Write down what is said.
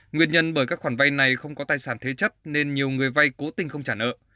nguyên nhân bởi các khoản vai này không có tài sản thế chất nên nhiều người vai cố tình không trả nợ